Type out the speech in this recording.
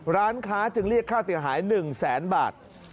ร้านค้าจึงเรียกค่าเสียหาย๑แสนบาท